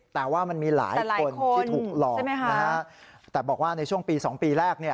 แต่ว่ามันมีหลายคนที่ถูกหลอกแต่บอกว่าในช่วงปี๒ปีแรก